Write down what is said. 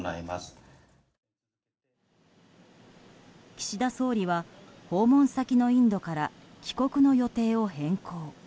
岸田総理は訪問先のインドから帰国の予定を変更。